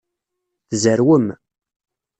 Tzerwem.